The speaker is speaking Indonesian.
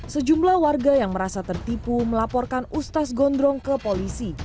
sejumlah warga yang merasa tertipu melaporkan ustaz gondrong ke polisi